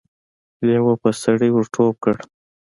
لېوه په سړي ور ټوپ کړ.